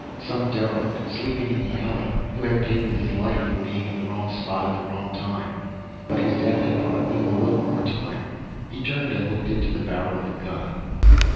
Some derelict, sleeping in the alley, who had paid with his life for being in the wrong spot at the wrong time. But his death had bought Neel a little more time. He turned and looked into the barrel of a gun.